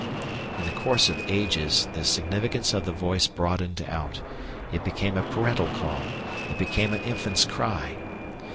In the course of ages the significance of the voice broadened out; it became a parental call; it became an infant's cry.